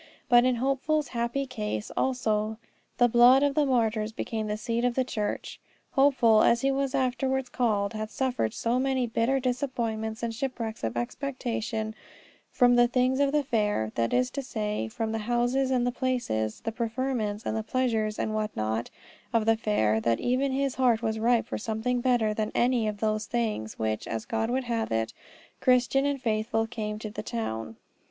But in Hopeful's happy case also the blood of the martyrs became the seed of the church. Hopeful, as he was afterwards called, had suffered so many bitter disappointments and shipwrecks of expectation from the things of the fair, that is to say, from the houses, the places, the preferments, the pleasures and what not, of the fair, that even his heart was ripe for something better than any of those things, when, as God would have it, Christian and Faithful came to the town.